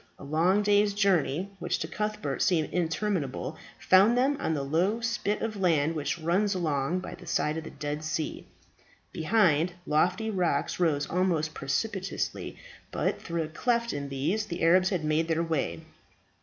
A long day's journeying, which to Cuthbert seemed interminable, found them on the low spit of sand which runs along by the side of the Dead Sea. Behind, lofty rocks rose almost precipitously, but through a cleft in these the Arabs had made their way.